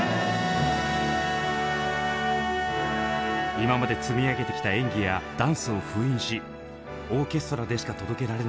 今まで積み上げてきた演技やダンスを封印しオーケストラでしか届けられない